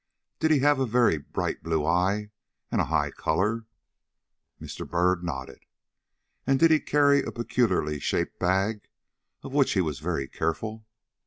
"Did he have a very bright blue eye and a high color?" Mr. Byrd nodded. "And did he carry a peculiarly shaped bag, of which he was very careful?"